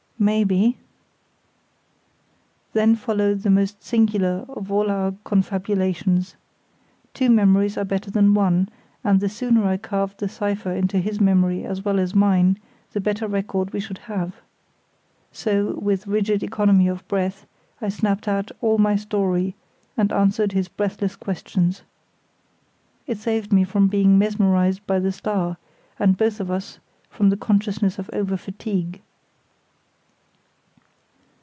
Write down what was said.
"Maybe." Then followed the most singular of all our confabulations. Two memories are better than one, and the sooner I carved the cipher into his memory as well as mine the better record we should have. So, with rigid economy of breath, I snapped out all my story, and answered his breathless questions. It saved me from being mesmerised by the star, and both of us from the consciousness of over fatigue.